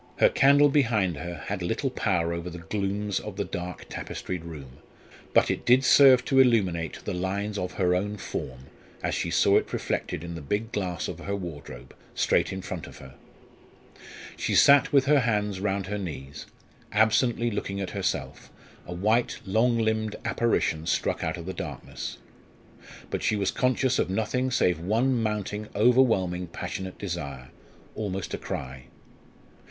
Her candle behind her had little power over the glooms of the dark tapestried room, but it did serve to illuminate the lines of her own form, as she saw it reflected in the big glass of her wardrobe, straight in front of her. She sat with her hands round her knees, absently looking at herself, a white long limbed apparition struck out of the darkness. But she was conscious of nothing save one mounting overwhelming passionate desire, almost a cry.